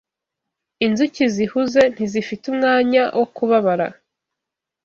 Inzuki zihuze ntizifite umwanya wo kubabara